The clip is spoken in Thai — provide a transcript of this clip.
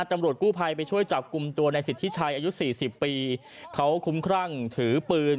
ตำรวจกู้ภัยไปช่วยจับกลุ่มตัวในสิทธิชัยอายุสี่สิบปีเขาคุ้มครั่งถือปืน